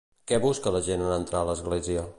Què busca la gent en entrar a l'església?